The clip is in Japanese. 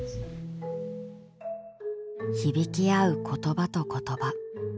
響き合う言葉と言葉。